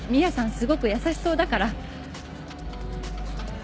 すごく優しそうだから。